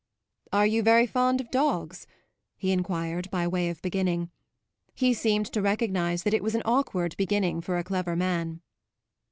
"Are you very fond of dogs?" he enquired by way of beginning. He seemed to recognise that it was an awkward beginning for a clever man.